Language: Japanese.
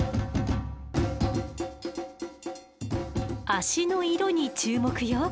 脚の色に注目よ。